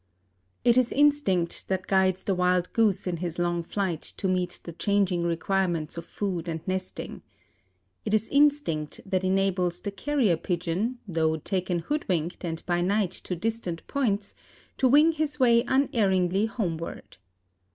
It is instinct that guides the wild goose in his long flight to meet the changing requirements of food and nesting. It is instinct that enables the carrier pigeon, though taken hoodwinked and by night to distant points, to wing his way unerringly homeward.